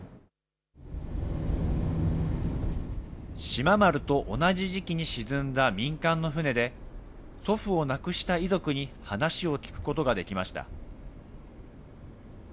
志摩丸と同じ時期に沈んだ民間の船で、祖父を亡くした遺族に話を聞くことができました。